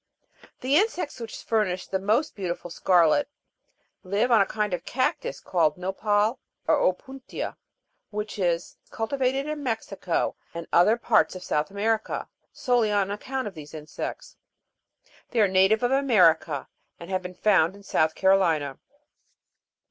The insects which furnish the most beautiful scarlet live on a kind of cactus called nopal or opuntia, which is cul tivated in Mexico and other parts of South America, solely on account of these animals. They are native of America, and have been found in South Carolina.